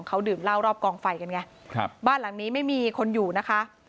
เขาดื่มเหล้ารอบกองไฟกันไงครับบ้านหลังนี้ไม่มีคนอยู่นะคะ